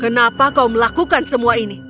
kenapa kau melakukan semua ini